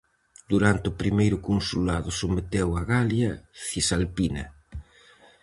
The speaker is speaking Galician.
Durante o primeiro consulado someteu a Galia Cisalpina.